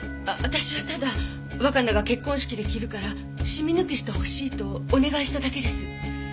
私はただ若菜が結婚式で着るからシミ抜きしてほしいとお願いしただけです。